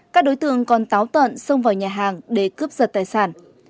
các đối tượng còn táo tợn xông vào nhà hàng để cướp giật tài sản